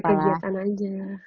gak ada kegiatan aja